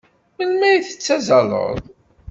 Melmi ay tettazzaleḍ?